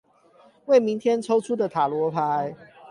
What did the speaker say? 為明天抽出的塔羅牌